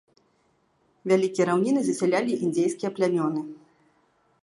Вялікія раўніны засялялі індзейскія плямёны.